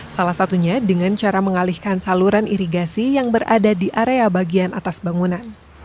salah satunya dengan cara mengalihkan saluran irigasi yang berada di area bagian atas bangunan